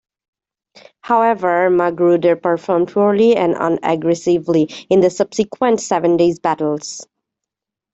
However, Magruder performed poorly and unaggressively in the subsequent Seven Days Battles.